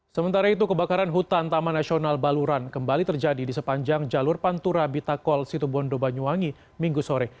sementara itu kebakaran hutan taman nasional baluran kembali terjadi di sepanjang jalur pantura bitakol situbondo banyuwangi minggu sore